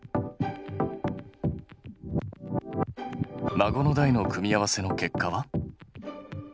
孫の代の組み合わせの結果は？